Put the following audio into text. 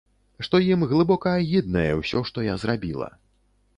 Што ім глыбока агіднае ўсё, што я зрабіла.